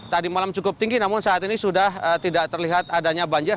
tadi malam cukup tinggi namun saat ini sudah tidak terlihat adanya banjir